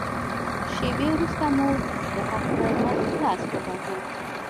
شېبې وروسته مور د هغه په مخ لاس وواهه